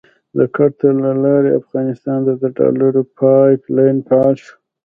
د قطر له لارې افغانستان ته د ډالرو پایپ لاین فعال شو.